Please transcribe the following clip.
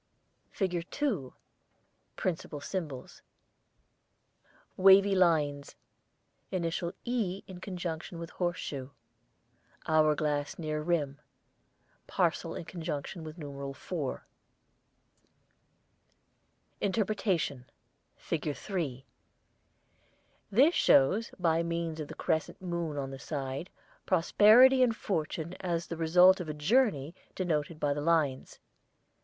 [ILLUSTRATION 2] FIG.2 Principal Symbols: Wavy lines. Initial 'E' in conjunction with Horse shoe. Hour glass near rim. Parcel in conjunction with numeral '4.' INTERPRETATION FIG. 3 This shows, by means of the crescent moon on the side, prosperity and fortune as the result of a journey denoted by the lines.